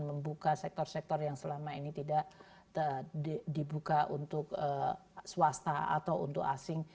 membuka sektor sektor yang selama ini tidak dibuka untuk swasta atau untuk asing